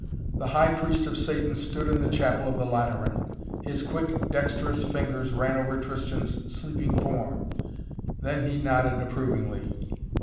The High Priest of Satan stood in the chapel of the Lateran. His quick, dexterous fingers ran over Tristan's sleeping form. Then he nodded approvingly.